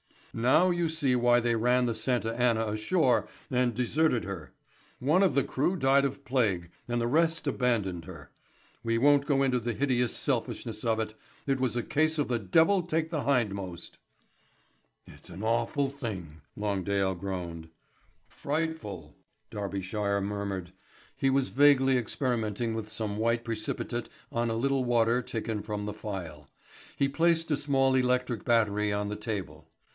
Now you see why they ran the Santa Anna ashore and deserted her. One of the crew died of plague, and the rest abandoned her. We won't go into the hideous selfishness of it; it was a case of the devil take the hindmost." "It's an awful thing," Longdale groaned. "Frightful," Darbyshire murmured. He was vaguely experimenting with some white precipitate on a little water taken from the phial. He placed a small electric battery on the table.